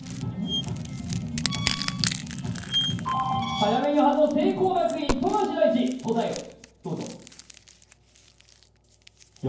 はやめに反応、聖光学院、富樫大地、答えをどうぞ。